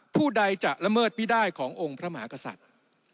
ผู้ใดจะละเมิดไม่ได้ขององค์พระมหากษัตริย์